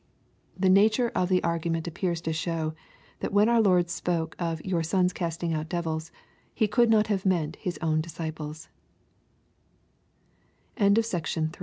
— The nature of the argument appears to show that when our Lord spake of " your sons casting out devils," He could not have meant His own discipl